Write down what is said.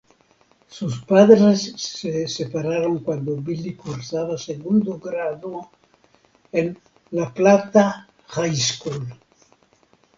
Sus padres se separaron cuando Billy cursaba segundo grado en "La Plata High School".